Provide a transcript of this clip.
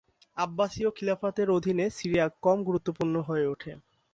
আব্বাসীয় খিলাফতের অধীনে সিরিয়া কম গুরুত্বপূর্ণ হয়ে উঠে।